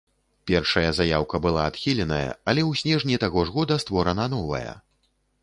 Першая заяўка была адхіленая, але ў снежні таго ж года створана новая.